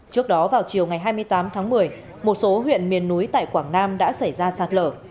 trước đó vào chiều ngày hai mươi tám tháng một mươi một số huyện miền núi tại quảng nam đã xảy ra sạt lở